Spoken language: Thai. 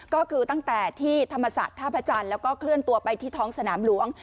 ก็คือตั้งแต่ที่ธรรมศาสตร์ท่าพระจันทร์แล้วก็เคลื่อนตัวไปที่ท้องสนามหลวง